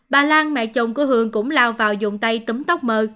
bà lan mẹ chồng của h cũng lao vào dùng tay tấm tóc m